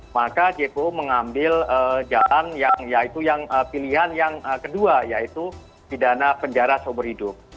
maka jpu mengambil jalan yang yaitu pilihan yang kedua yaitu pidana penjara seumur hidup